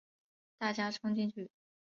大家冲进去